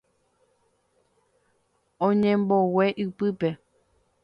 Oñemongu'e ypýpe.